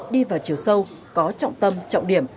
đi vào chiều sâu có trọng tâm trọng điểm